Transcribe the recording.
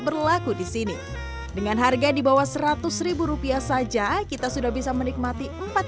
berlaku di sini dengan harga di bawah seratus ribu rupiah saja kita sudah bisa menikmati empat